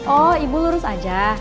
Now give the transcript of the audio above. oh ibu lurus aja